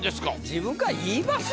自分から言います？